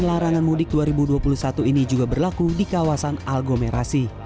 larangan mudik dua ribu dua puluh satu ini juga berlaku di kawasan aglomerasi